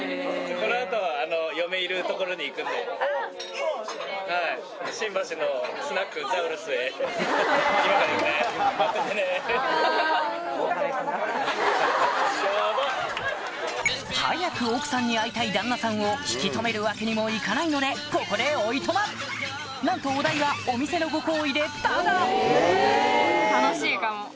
ポン！って。ハハハ！早く奥さんに会いたい旦那さんを引き留めるわけにもいかないのでここでおいとまなんとお代はお店のご厚意でタダ！